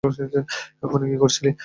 ফোনে কী করছিলি?